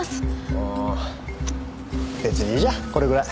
ああ別にいいじゃんこれぐらい。